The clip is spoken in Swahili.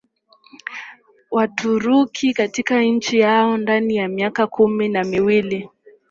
Waturuki katika nchi yao ndani ya miaka kumi na mbili